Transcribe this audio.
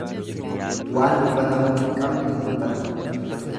Waan dubbatamuu hin qabne hin dubbatan.